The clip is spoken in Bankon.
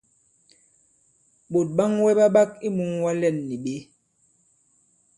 Ɓòt ɓaŋwɛ ɓa ɓak i mūŋwa lɛ᷇n nì ɓě?